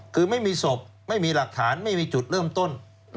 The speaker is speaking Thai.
คือไม่มีศพไม่มีหลักฐานไม่มีจุดเริ่มต้น